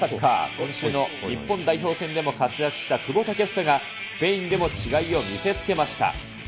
今週の日本代表でも活躍した久保建英が、スペインでも違いを見せつけました。